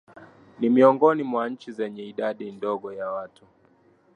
Ni miongoni mwa nchi zenye idadi ndogo ya watu